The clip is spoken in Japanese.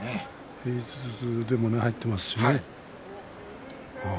平日でも入っていますしね。